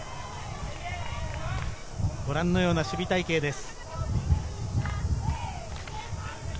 ご覧のような守備隊形です。